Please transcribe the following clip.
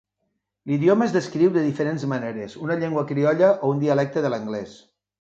L'idioma es descriu de diferents maneres, una llengua criolla o un dialecte de l'anglès.